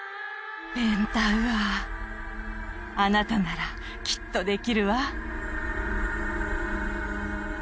ペンタウアーあなたならきっとできるわ。